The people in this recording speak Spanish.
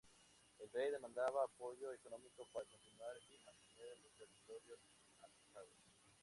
El rey demandaba apoyo económico para continuar y mantener los territorios apresados.